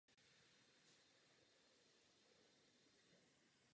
Byl mu udělen akademický titul magistr.